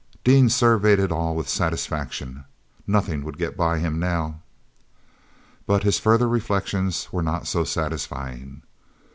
Dean surveyed it all with satisfaction. Nothing would get by him now. But his further reflections were not so satisfying.